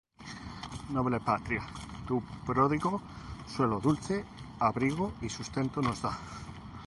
Noble patria tu pródigo suelo dulce abrigo y sustento nos da